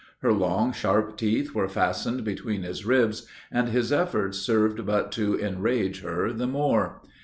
Her long, sharp teeth were fastened between his ribs, and his efforts served but to enrage her the more.